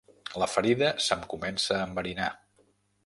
La ferida se'm comença a enverinar.